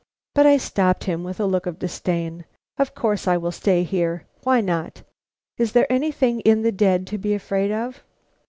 But I stopped him with a look of disdain. "Of course I will stay here; why not? Is there anything in the dead to be afraid of?